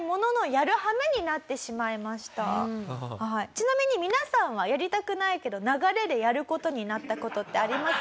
ちなみに皆さんはやりたくないけど流れでやる事になった事ってありますか？